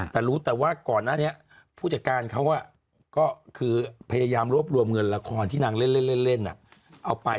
แต่รู้แต่ว่าก่อนหน้านี้ผู้จัดการเขาก็คือพยายามรวบรวมเงินละครที่นางเล่นเอาไป